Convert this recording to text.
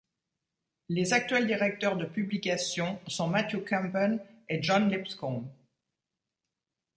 Les actuel directeurs de publication sont Matthew Campen et John Lipscomb.